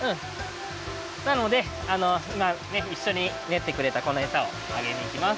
なのでいまいっしょにねってくれたこのエサをあげにいきます。